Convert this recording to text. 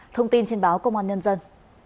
thông tin trên báo công an nhân dân